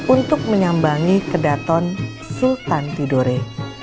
untuk menyambangi kedaton sultan tidore